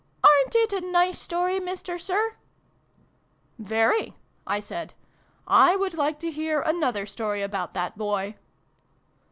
" Arerit it a nice story, Mister Sir ?" "Very," I said. " I would like to hear an other story about that Boy."